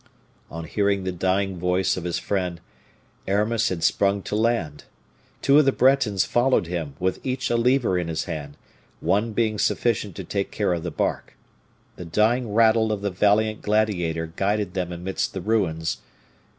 On hearing the dying voice of his friend, Aramis had sprung to land. Two of the Bretons followed him, with each a lever in his hand one being sufficient to take care of the bark. The dying rattle of the valiant gladiator guided them amidst the ruins.